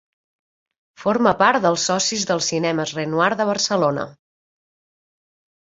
Forma part dels socis dels cinemes Renoir de Barcelona.